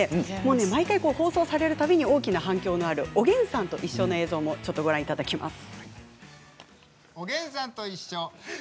毎回放送されるたびに大きな反響がある「おげんさんといっしょ」の映像もご覧いただきます。